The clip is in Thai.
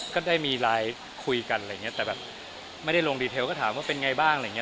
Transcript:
ก็ได้มีไลน์คุยกันอะไรอย่างนี้แต่แบบไม่ได้ลงดีเทลก็ถามว่าเป็นไงบ้างอะไรอย่างนี้